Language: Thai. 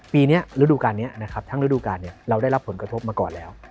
ปีนี้ฤดูการนี้นะครับทั้งฤดูการเราได้รับผลกระทบมาก่อนแล้ว